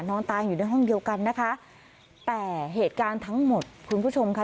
นอนตายอยู่ในห้องเดียวกันนะคะแต่เหตุการณ์ทั้งหมดคุณผู้ชมค่ะ